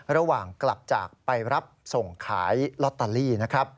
ระหว่างกลับจากไปรับส่งขายลอตเตอรี่นะครับ